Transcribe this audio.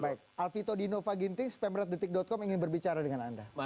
baik alfito dino faginti spamretdetik com ingin berbicara dengan anda